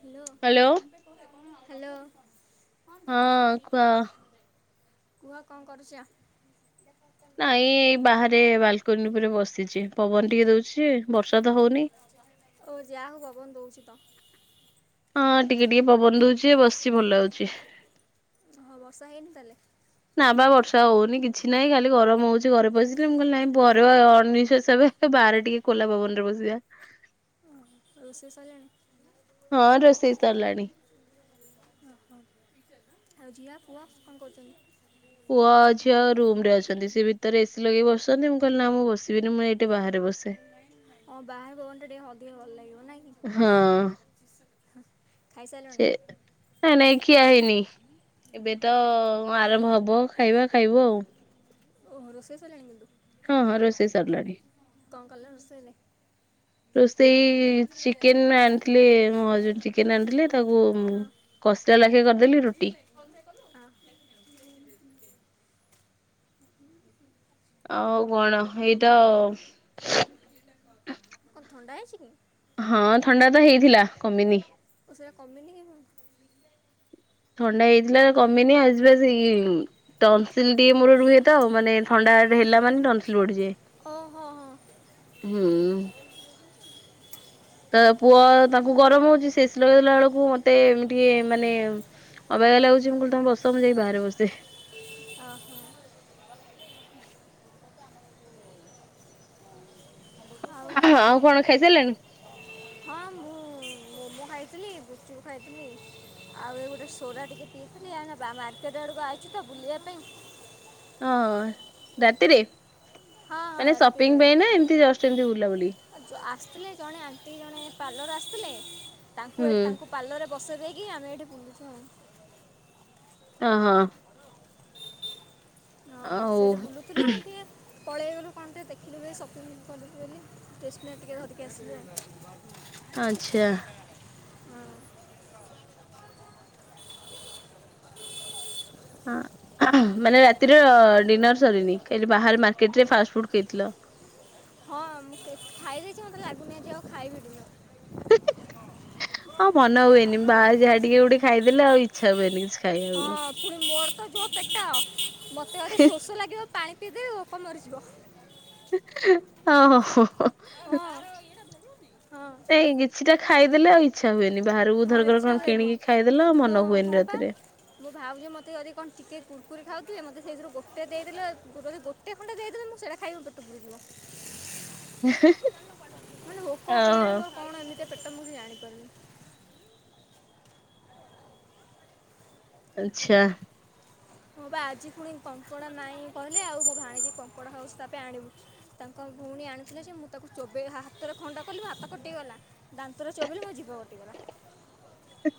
Hello hello. ହଁ କୁହ? କୁହ କଣ କରୁଛ? ନାଇଁ ଏଇ ବାହାରେ ବାଲକନି ଉପରେ ବସିଛି ପବନ ଟିକେ ଦଉଛି ବର୍ଷା ତ ହଉନି। ଓ ଯାହା ହବ ବ ଦଉଛି ତ ହଁ ଟିକେ ଟିକେ ପବନ ଦଉଛି ବସି ଭଲ ହଉଛି। ହଁ ବର୍ଷା ହେଇନି ତାଲେ। ନାବା ବର୍ଷା ହଉନି କିଛି ନାହିଁ ଖାଲି ଗରମ ହଉଛି ଘରେ ପଶିଲେ ମୁଁ କହିଲି ନାଇଁ ଘରେ ଅ ଅନନିଶ୍ୱାସ ହେବି। ବାହାରେ ଟିକେ ଖୋଲା ପବନ ରେ ବସିବା। ରୋଷେଇ ସରିଲାଣି। ହଁ ରୋଷେଇ ସରିଲାଣି। ଓହୋ ଆଉ ଝିଅ ପୁଅ କଣ କରୁଛନ୍ତି। ପୁଅ ଝିଅ ରୁମ ରେ ଅଛନ୍ତି ସେ ଭିତରେ ଏସି ଲଗେଇ ବସଛନ୍ତି ମୁଁ କହିଲି ନା ମୁଁ ବସିବିନି ମୁଁ ଏଇଠି ବାହାରେ ବସିବି। ହଁ ବାହାର ପବନ ଟା ଟିକେ ଅଧିକ ଭଲ ଲାଗିବ ନାଇଁ କି। ହଁ ଖାଇସାରିଲଣି ସେ ନାଇଁ ନାଇଁ ଖିଆ ହେଇନି ଏବେ ତ ଆରମ୍ଭ ହବ ଖାଇବା ଖାଇବୁ ଆଉ। ଓହୋ ରୋଷେଇ ସରିଲାଣି କିନ୍ତୁ। ହଁ ହଁ ରୋଷେଇ ସରିଲାଣି। କଣ କଲ ରୋଷେଇ ରେ। ରୋଷେଇ ଚିକେନ ଆଣିଥିଲେ ମୋର ହଜ୍ ବ୍ୟାଣ୍ଡ ଚିକେନ ଆଣିଥିଲେ ତାକୁ ହଁ ହଁ କଷିଲା ଲାଖେ କରିଦେଲି ରୁଟି। [inaudible] ଆଉ କଣ ହେଇତ। କଣ ଥଣ୍ଡା ହେଇଛି କି। ହଁ ଥଣ୍ଡା ତ ହେଇଥିଲା କମିନୀ। ସେଠା କାମିନୀ କି। [inaudible] ଥଣ୍ଡା ହେଇଥିଲା କମିନି ଆସିବା ସେଇ [inaudible] ଟନସିଲ ଟିକେ ମୋର ରୁହେ ତ ଆ ମାନେ ଥଣ୍ଡା ହେଲା ମାନେ ଟନସିଲ ବଢିଯଏ। ଓଁ ହୋ ହଁ। ହୁଁ। ତ ପୁଅ ତାଙ୍କୁ ଗରମ ହଉଛି ସିଏ ଏସି ଲଗେଇଦଲା ବେଳକୁ ମତେ ଏମିଟିକ। ମାନେ ଅବେଗା ଲାଗୁଛି ମୁଁ କହିଲି ତମ ବସ ମୁଁ ଯାଇ ବାହାରେ ବସେ। [inaudible] [inaudible] ଆଉ କଣ କୁହ। [inaudible] ହଁ ମୋମୋ ଖାଇଥିଲି ଗୁପ୍ ଚୁପ ଖାଇଥିଲି। ଆଉ ଏ ଗୋଟେ ସୋରା ଟିକେ ପିଇଥିଲି ଆ ମାର୍କେଟ ଆଡକୁ ଆଇଛି ତ ବୁଲିବା। ପାଇଁ ହଁ ରାତିରେ ହଁ ହଁ ମାନେ ରାତିରେ ସପିଙ୍ଗ ପାଇଁ ନା ଆଉ ଏମତି ଜଷ୍ଟ ଏମତି ବୁଲା ବୁଲି। ଆସିଥିଲେ ଜଣେ ଆଣ୍ଟି ଜଣେ ପାର୍ଲର ଆସିଥିଲେ ତାଙ୍କୁ ହୁଁ ଏ ତାଙ୍କୁ ପାର୍ଲରରେ ବସେଇ ଦେଇକି ଆମେ ଏଇଠି ବୁଲୁଛୁ ଆଉ। ହ ହଁ। ହଁ ଆଉ ସେଇଟି ବୁଲୁଥିଲୁ ଟିକିଏ। ପଳେଇଗଲୁ କଣ ଟିକେ ଦେଖିଲୁ ବୋଲି ସପିଂ କରିବୁ ବୋଲୀ ଟେସ୍ ନାରି ଟିକେ ଧରିକି ଆସିଲୁ ଆଉ। ଆଛା। ହଁ ମାନେ ରାତିର ଡିନର ସରିନି ଖାଲି ବାହାରେ ମାର୍କେଟରେ ଫାଷ୍ଟ ଫୁଡ ଖାଇଥିଲ। ହଁ ମୁଁ ଖାଇ ଦେଇଛି ମତେ ଲାଗୁନାହିଁ ଆଜି ଆଉ ଖାଇବି ଡିନର ହଉ ମନ ହୁଏନି ବାହାରେ ଯାହା ଟିକେ ଗୋଟେ ଖାଇଦେଲେ ଆଉ ଇଚ୍ଛା ହୁଏନିକିଛି। ହଁ ପୁଣି ମୋର ତ ଯୋଉ ପେଟ ମତେ ଯଦି ଶୋଷ ଲାଗିବ ପାଣି ପଇ ଦେବୀ ଭୋକ ମରିଯିବା। ହଁ ହୋ ହୋ ହ। ହଁ ହଁ ଏଇଁ କିଛିଟା ଖାଇଦେଲେ ଆଉ ଇ ଛା ହୁଏନି ବାହାରକୁ ହଁ ଧର ଘର ଇଚ୍ଛା କଣ ହୁଏନି କିଣିକି ଖାଇଦେଲ ମୋ ମନ ହଁ ହୁଏନି ପା ରାତିରେ। ମୋ ଭାଉଜ ମତେ ଯଦି କଣ ଟିକେ କୁୁରୁକୁରି ଖାଉଥିଲେ ମତେ ସେଇଥିରୁ ଗୋଟେ ଦେଇଦେଲେ [unintelligible] ଗୋଟେ ଖଣ୍ଡେ ଦେଇଦେଲେ ମୁଁ ସେଇଟା ଖାଇବି ପେଟ ପୁରିଯିବ। ମାନେ ଭୋକ କେ ଓହୋ ଯାଣି କଣ ଏମିତିଆ ପେଟ ମୁଁ କି ଜାଣିପାରୁନି। ଆଚ୍ଛା। ହଁ ବା ଆଜି ଫୁଣି କଙ୍କଡ଼ା ନାଇଁ କହିଲେ ଆଉ ମୋ ଭାଣିଜି କଙ୍କଡ଼ା ହାଉସ୍ ତାପା ଆଣିବୁ। ତାଙ୍କ ଭଉଣୀ ଆଣିଥିଲେ ଯେ ମୁଁ ତାକୁ ଚୋବେ ହା ହାତରେ ଖଣ୍ଡା କଲି ହାତ କଟିଗଲା। ଦାନ୍ତରେ ଚୋବେଇଲି ମୋ ଜିଭ କଟିଗଲା। ହ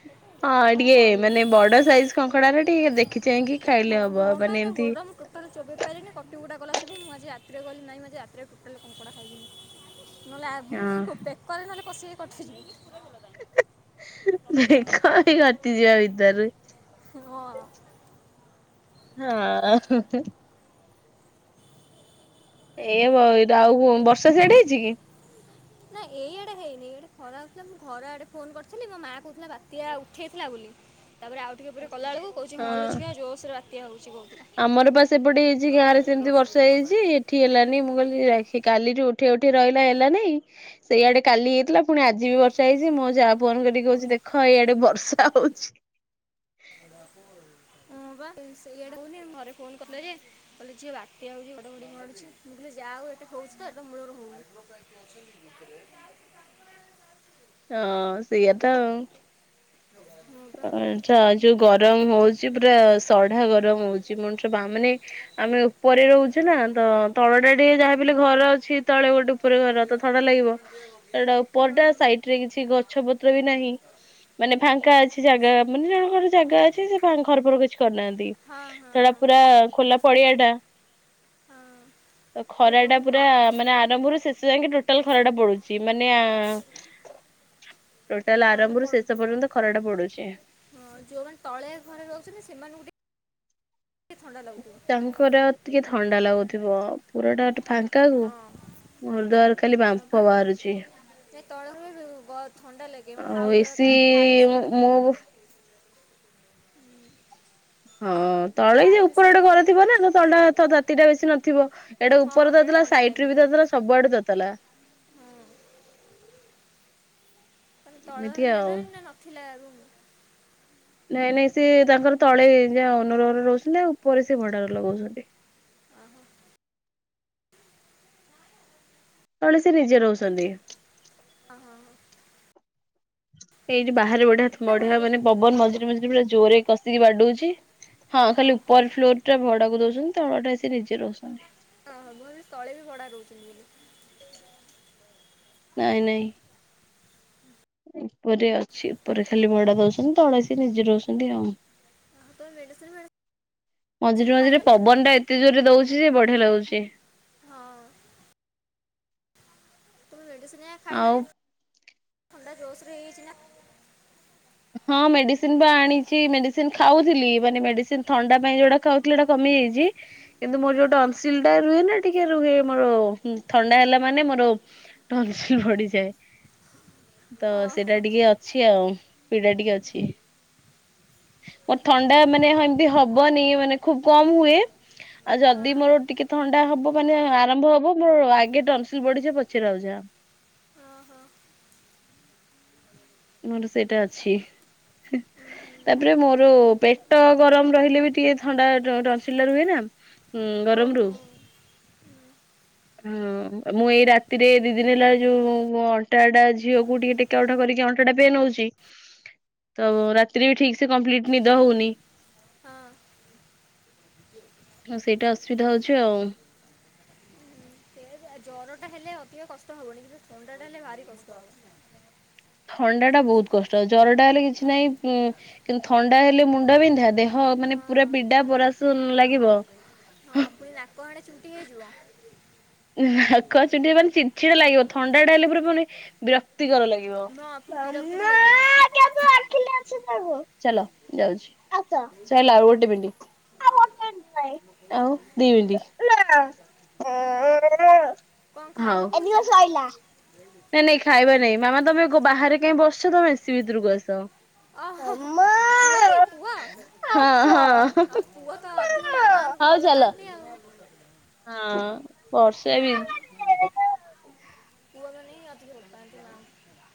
ହଁ କଣ କହିବି ବଡ ସାଇଜ କଙ୍କଡାରେ ଟିକେ ଦେଖି ଚାହିଁକି ଖାଇଲେ ହଁ ହବ ହଁ ପା ମାନେ ତା ଏମିତି ଗୋଡ଼ ମୁଁ ତାର ଚୋବେଇ ପାରିଲିନି କଟିି କୁଟା ଗଲା ସବୁ ମୁଁ ଆଜି ରାତିରେ ଗଲି ନାହିଁ ଆଜି ରାତିରେ ଟୋଟାଲି କଙ୍କଡ଼ା ଖାଇବିନି। ନହେଲେ ଆଗ୍ ମୁଁ ହଁ ପୋ ପେକରରେ ନହେଲେ କଷିକି କରିଥିଲି। ଭାଇ ଖ ପାଇଁ କଟି ଯିବ ଭିତରୁ। ହଁ ହଁ। ଏଇ ବଇଦ ଆଉ ବର୍ଷା ଛାଡି ଯାଇଚି କି? ହ ନା ଏଇଆଡେ ହେଇନି ଇଆଡେ ଖରା ହଉଥିଲା ମୁଁ ଘର ଆଡେ ଫୋନ କରିଥିଲି ମୋ ମା କହୁଥିଲା ବାତ୍ୟା ଉଠେଇଥିଲା ବୋଲି। ତାପରେ ଆଉ ଟିକେ ପରେ କଲା ବେଳକୁ କହୁଛି ହଁ। ହଁଲୋ ଝିଅ ଜୋସରେ ବାତ୍ୟା ହଉଛି କଉ ଆମର ପା ସେପଟେ ହେଇଛି ଗାଁରେ ସେମିତି ବର୍ଷା ହେଇଛି ଏଠି ଠି ହେଲାନି ମୁଁ କହିଲି କାଲିଠୁ ଉଠି ଉଠି ରହିଲା ହେଲାନେଇଁ। ସେଇଆଡେ କାଲି ହେଇଥିଲା ପୁଣି ଆଜି ବି ବର୍ଷା ହେଇଛି ମୋ ଯାଆ ଫୋନ୍ କରିକି କହୁଛି ଦେଖ ଏଇଆଡେ ବର୍ଷା ହଉଛି। ହଁ ବା ସେଇଆଡେ ହଉନି ଘରେ ଫୋନ କରିଲେ ଯେ [inaudible] କହିଲେ ଝିଅ ବାତ୍ୟା ହଉଛି ଘଡଘଡି ମଡୁଛି ମୁଁ କହିଲି ଯାହା ହଉ ଏଟ ହଉଛି ତ ଏଠିି ମୂଳରୁ ହଉନି। ଯୁଗରେ। ହଁ ସେଇଆ ତ ଆଉ। ହଁ ଆଛା ଯୋଉ ଗରମ ହଉଛି ପୁରା ସଢା ଗରମ ହଉ ଚି ମଣିଷ ବା ମାନେ ଆମେ ଉପରେ ରହୁଚୁ ନା ତ ତଳଟା ଟିକେ ଯାହାବି ହେଲେ ଘର ଅଛି। ତଳେ ଗୋଟେ ଉପୁରେ ଘର ତ ଥଡା ଲାଗିବ। ସେଟା ଉପର ଟା ସାଇଟ୍ ରେ କିଛି ଗଛ ପତ୍ର ବି ନାହିଁ ମାନେ ଫାଙ୍କା ଅଛି। ଗା ମାନେ ଜଣଙ୍କର ଜାଗା ଅଛି ସେ ଘର ଫର କିଛି କରିନାହାନ୍ତି ଥଡା ପୁରା ଆ ଖୋଲା ପଡିଆ ଟା ତ ସେ ଖରା ଟା ଯେଉଁମାନେ ତ ପୁରା। ମାନେ ଆରମ୍ଭରୁ ଶେଷ ଯାଙ୍କେ ଟୋଟାଲ ଖରା ଟା ପଡୁଛି ମାନେ ଆ ଟୋଟାଲ ହଁ ତ ଆରମ୍ଭରୁ ପଡ଼ୁଥିବ ଶେଷପର୍ଯ୍ୟନ୍ତ ଖରା ଟା ପଡୁଛି। ହଁ ଯୋଉମାନେ ତଳିଆ ଘରେ ରହୁଛନ୍ତି ସେମାନଙ୍କୁ ଟିକେ ଥଣ୍ଡା ଲାଗୁଥିବ। ତାଙ୍କର ତିକେ ଥଣ୍ଡା ଲାଗୁଥିବ ପୁରଟା ଟିକେ ଫା ଙ୍କା କୁ ହଁ ମର ଦେହରୁ ଖାଲି ହଁ ବା ବାମ୍ଫ ବାହାରୁଛି। ଏ ତଳରୁ ବତ ଥଣ୍ଡା ଲାଗେ ମୋ ଆଉ ଭାଉ ଏସି ହକା ମୋ ଭାଇ ସେମିତି। ମୁଁ ହଁ ମୋ ତଳେ ଯ ଭାଇ ବି ଉପର ଟା ସେମିତି ଘର ଥିବ ନା ତ ତଳଟା ତ ତାତି ଟା ବେଶୀ ନଥିବ। ଏଇଟେ ହଁ ଉପରୁ ସେଇଟା ତାତିଲା ଥଣ୍ଡା ସାଇଟ୍ ରେ ଲାଗିବ ବି ତାତିଲା ସବୁଆଡେ ତତଲା। ହଁ ତଳ ଏମିତି ଘର ଆଉ। ନେଲାନି ନା ନଥିଲା ରୁମୁ। ନାଇଁ ନାଇଁ ସେଏ ତାଙ୍କର ତଳେ ଯିଏ ଅନୋରହର ରହୁଛନ୍ତି ଆଉ ଉପର ଘର ସେ ଭଡା ରେ ଲଗଉଛନ୍ତି। ଓ ହୋ। ତଳେ ସେ ନିଜେ ରହୁସନ୍ତି। ଅ ହଁ ହଁ ହଁ। ଏଇଠି ବାହାରେ ବଢିଆ ଥ ତା ଭଲ ବଢଆ, ମାନେ ଲଗେଇଛନ୍ତି ପବନ ମଝିରେ ମଝିରେ ପୁରା ଜୋରରେ କଷ୍ ସେକି ବାଡଉଛି। ହଁ ଖାଲି ଉପର ଫ୍ଲୋର୍ ଟା ଭଡାକୁ ଦଉଛନ୍ତି। ତଳ ଟା ସେ ନିଜେ ରହୁସନ୍ତି। ଓହ! ମୁଁ ଭାବିଲି ତଳେ ବି ଭଢା ରହୁଛନ୍ତି ବୋଲି। ନାଇଁ ନାଇଁ। ଉପରେ ଅଛି, ଉପରେ ଖାଲି ଭଡ଼ା ଦଉଛନ୍ତି ତଳେ ସେ ନିଜେ ରହୁସନ୍ତି ଆଉ। ଆଉ ତୁମେ ମେଡ଼ିସିନ ମେଡ଼ିସିନ ମଝିରେ ଖାଇଲ ମଝିରେ ପବନ ଟା ଏତେ ଜୋରରେ ଦଉଛି ଯେ, ବଢିଆ ଲାଗୁଛି। ହଁ। ତୁମେ ମେଡିସିନ୍ ଆ ଆଉ ଖାଇଲଣି ଥଣ୍ଡା ଜୋର୍ ସୋର ରେ ହେଇଯାଇଛି ନା? ହଁ, ମେଡିସିନ ପା ଆଣିଛି, ମେଡିସିନ୍ ଖାଉଥିଲି। ମାନେ ମେଡିସିନ୍ ଥଣ୍ଡା ପାଇଁ ଯୋଉଟା ଖାଉଥିଲି ହେଟା କମିଯାଇଛି। କିନ୍ତୁ, ମୋର ଯୋଉଟା ଅଂଶିଲ ଟା ରୁହେ ନା ଟିକେ ରୁହେ, ମୋର ଥଣ୍ଡା ହେଲା ମାନେ ମୋର ଟନସିଲ୍ ବଢିଯାଏ। ତ ହଁ ସେଇଟା ହଁ ଟିକେ ଅଛି ଆଉ, ପୀଡା ଟିକେ ଅଛି। ମୋ ଥଣ୍ଡା ମାନେ ହେମିତି ହବନି, ମାନେ ଖୁବ କମ୍ ହୁଏ। ଆଉ ହଁ ଯଦି ମୋର ଟିକେ ଥଣ୍ଡା ହବ ମାନେ ଆରମ୍ଭ ହବ, ମୋ ଆଗେ ଟନ୍ସିଲ୍ ବଢି ଯାଏ, ପଛରେ ଆଉ ଯାହା। ହଁ ହଁ ମୋର ସେଇଟା ଅଛି। ହୁଁ ତାପରେ ହୁଁ ମୋର ଖାଇ ପେଟ ଗରମ ରହିଲେ ବି ଟିକେ ଥଣ୍ଡା ଟହସିଲା ରୁହେ ନା! ହୁଁ ଗରମ ରୁ ହୁଁ। ହଁ, ମୁଁ ଏଇ ରାତିରେ ଦି ଦିନ ହେଲା ଯୋଉ ଅଣ୍ଟାଟା ଝିଅକୁ ଟିକେ ଟେକା ଉଠା କରିକି ଅଣ୍ଟାଟା ପେନ୍ ହଉଛି। ତ ରାତିି ବି ଠିକ୍ ସେ କମ୍ପ୍ଲିଟ୍ ନିଦ ହଉନି। ହଁ ହଁ, ସେଇଟା ଅସୁବିଧା ହଉଛି ଆଉ! ସେ ଜ୍ୱରଟା ହେଲେ ଅଧିକ କଷ୍ଟ ହେବନି। କିନ୍ତୁ ଥଣ୍ଡାଟା ହେଲେ ଭାରି କଷ୍ଟ ହବ। ଥଣ୍ଡା ଟା ବହୁତ କଷ୍ଟ। ଜରଟା ହେଲେ କିଛି ନାହିଁ ଉଁ କିନ୍ତୁ ଥଣ୍ଡା ହେଲେ ମୁଣ୍ଡ ବିନ୍ଧା, ଦେହ ମାନେ ହଁ ପୁରା ପିଡା ପୁରା ଶୂନ୍ ଲାଗିବ। ହଁ, ପୁଣି ନାକ ଆଡେ ଚୁଣ୍ଟି ହେଇଯିବଁ। ନାକ ଚୁଣ୍ଟି ମାନେ, ଚିଡ଼ଚିଡା ଲାଗିବ। ଥଣ୍ଡା ଟା ହେଲା ପରେ ପୁଣି ବିରକ୍ତିକର ଲାଗିବ। ହଁ ପୁଣି ବିରକ୍ତ ବି ଲାଗିବ ଚାଲ ଯାଉଛି। ଚାଲ ଆଉ ଗୋଟେ ମିନ୍ଟି। ଆଉ ଦି ମିନ୍ଟି। କ'ଣ ହଉ ଖାଇବ କହୁଛି ନାଇଁ ନାଇଁ ଖାଇବା ନାଇଁ, ମାମା ତମେ ବାହାରେ କାଇଁ ବସ୍ ଛା, ତମେ ଏସିଭିତରକୁ ଆସ। ଓହ! ହ ହ ମାମା। ପୁଅ କି ପୁଅ? ହଁ ହଁ। ଆଉ, ପୁଅ ତ ଅଧିକ ମାମା ମାନଙ୍କୁ ହଉ ଭଲ ଚାଲ ପାଆନ୍ତି ଆଉ। ହଁ। ବର୍ଷା ବି ହଁ, ପୁଅ ମାନେ ହିଁ ଅଧିକ ଭଲ ପାଆନ୍ତି। ମା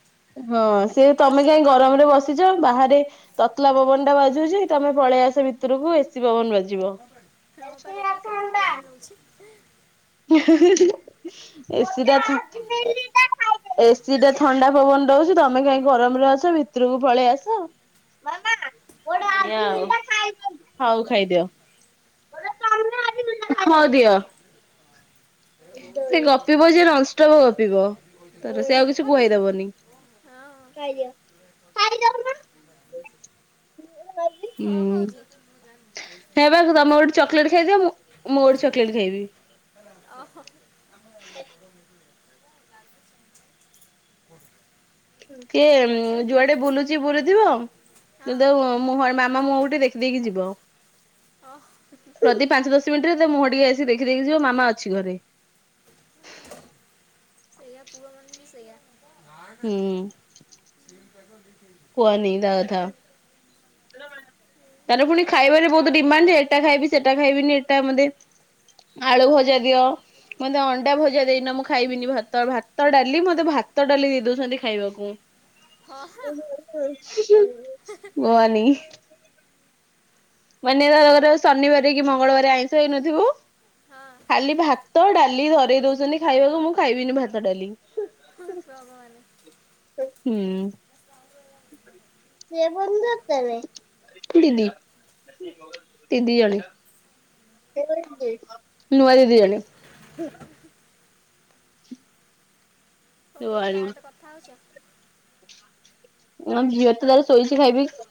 ହଁ, ସେ ତମେ କାହିଁ ଗରମ ରେ ବସିଛ, ବାହାରେ ତତଲା ପବନ ଟା ବାଜୁଛି, ତମେ ପଳେଇ ଆସ ଭିତରକୁ, ଏସି ପବନ ବାଜ୍ ହିଁ ପା ଦେଖିଲ କେତେ କେୟାର ନଉଛି? [unintelligible] ଏସିଟା ଏସିି ଟା ଥଣ୍ଡା ପବନ ଦଉଛି, ତମେ କାଇଁ ଗରମରେ ଅଛ, ଭିତରକୁ ପଳେଇ ଆସ। [unintelligible] ଏୟା ଆଉ। ହଉ ଖାଇଦିଅ, ହଉଦିଅ। ସେ ଗପିବ ଯେ ନନଷ୍ଟପ ଗପିବ ଏ ତାର। ସେ କିଏ ଆଉ କିଛି ପୁଅ କି କୁହାଇ ଦବ ନି। ହଁ ଖାଇଦିଅ। ଖାଇଦୋଉନୁ। [inaudible] କ'ଣ ହୁଁ କହୁଛୁ ହେ ବା ତମ ଗୋଟେ ଚକୋଲେଟ ଖାଇଦିଅ ମୁଁ ମୁଁ ଗୋଟେ ଚକୋଲେଟ ଖାଇବି। [inaudible] ଅ [unintelligible] ୟେ ବର୍ଷା ଟିକେ ଯୁଆଡ଼େ ବୁଲୁ ଚି। ବୁଲୁଥିବ ହଁ କିନ୍ତୁ ମୋହ ମାମା ମୁହଁଟିକେ ଦେଖି ଦେଇ ଯିବ। ଓହ [unintelligible] ପ୍ରତି ପାଞ୍ଚ ଦଶ ମିନିଟ ରେ ତ ମୁହଁଟିକୁ ସିଏ ଦେଖି ଦେଇ ଯିବ ମାମା ଅଛି ଘରେ। ସେଇଆପୁଅ ମାନେ ସେଇଆ। ହଁ ହୁଁ। [unintelligible] କୁହନି ତା କଥା। [inaudible] ତାରେ ପୁଣି ଖାଇବାରେ ବହୁତ ଡିମାଣ୍ଡ ଯେ ଖାଇବି ସେଟା ଖାଇବିନି ଏଇଟା ମତେ ଆଳୁ ଭଜା ଦିଅ। ମତେ ଅଣ୍ଡା ଭଜା ଦେଇନ ମୁଁ ଖାଇବିନି ଭାତ। ଭାତ, ଡାଲି ମତେ ଭାତ ଡାଲି ଦେଇ ଦୋଉଚନ୍ତି ଖାଇବାକୁ। ହଁ ହଁ [inaudible] କୁହନି। ମାନେ ତାର ଶନିବାରେ କି ମଙ୍ଗଳବାରେ ଆଇଁଷ ହେଇନଥିବୁ ଖାଲି ଭାତ ଡାଲି ଧରେଇ ଦୋଉଚନ୍ତି ଖାଇବାକୁ ମୁଁ ଖାଇବିନି ଭାତ ଡାଲି। ଭଗବାନ। [unintelligible] ହୁଁ। [unintelligible] [inaudible] ଦିଦି ଜଣେ। [inaudible] ନୁଆ ଦିଦି ଜଣେ। ମୁଁ କହିଲି କା ସହ କଥା ହୋଉଚ? ହ ଝିଅ ତ ତାର ଶୋଇଚି ଖାଇପିଇ କି।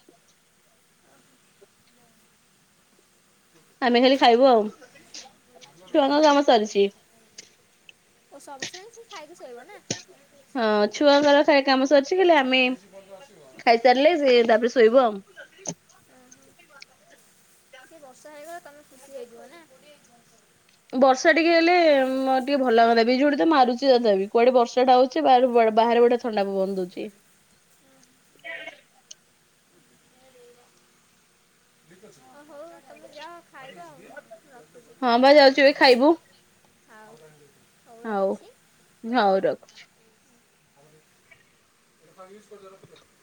ଆମେ ଖାଲି ଖାଇବୁ ଆଉ। ଛୁଆଙ୍କ କାମ ସରିଚି। ଓ ସବୁସରିଚି ଖାଇକି ଶୋଇବ ନା। ହଁ ଛୁଆ ଖାଏ କାମ ସରିଚି ହେଲେ ଆମେ ଓହୋ ଖାଇ ଚାଲିଲେ ସେ ତାପରେ ଶୋଇବୁ ଆଉ। ଟିକେ ବର୍ଷା ହେଇଗଲା ତମେ ଖୁସି ହେଇଯିବ ନା। ବର୍ଷା ଟିକେ ହେଲେ ଟିକେ ମତଟିକେ ଭଲାଗନ୍ତା ବିଜୁଳି ତ ମାରୁଚି ତଥାପି କୁଆଡେ ବର୍ଷା ଟା ହୋଉଚି ବା [unintelligible] ବାହାରେ ବଢିଆ ଥଣ୍ଡା ପବନ ଦୋଉଚି। ଅ ହଉ ତମେ ଯାଅ ଖାଇବ ଆଉ ରଖୁଚି। ହଁ ପା ଯାଉଚି ଏଇ ଖାଇବୁ। ଆଉ ହଉ ହଉ ରଖୁଚି। [unintelligible]